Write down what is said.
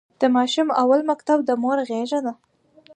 د ماشوم اول مکتب د مور غېږ ده.